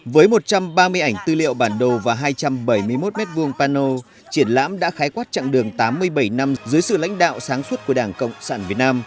với một trăm ba mươi ảnh tư liệu bản đồ và hai trăm bảy mươi một m hai pano triển lãm đã khái quát chặng đường tám mươi bảy năm dưới sự lãnh đạo sáng suốt của đảng cộng sản việt nam